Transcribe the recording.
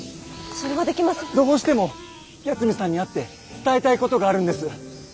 どうしても八海さんに会って伝えたいことがあるんです。